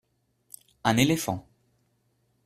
Un éléphant.